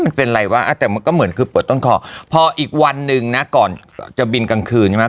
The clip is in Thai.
มันเป็นอะไรวะแต่มันก็เหมือนคือเปิดต้นคอพออีกวันหนึ่งนะก่อนจะบินกลางคืนใช่ไหม